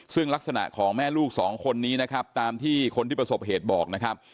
ซึ่งลักษณะของแม่ลูกสองคนนี้นะครับตามที่คนที่ประสบเหตุบอกนะครับ